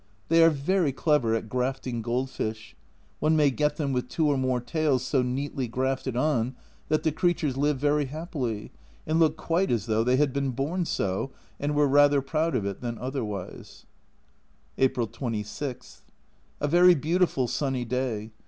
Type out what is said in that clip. They are very clever at grafting gold fish. One may get them with two or more tails so neatly grafted on that the creatures live very happily, and look quite as though they had been born so, and were rather proud of it than otherwise. April 26. A very beautiful sunny day.